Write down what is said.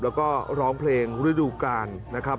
แล้วก็ร้องเพลงฤดูกาลนะครับ